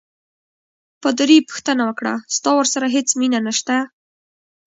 پادري پوښتنه وکړه: ستا ورسره هیڅ مینه نشته؟